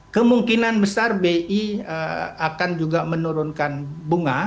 kemungkinan besar bi akan juga menurunkan bunga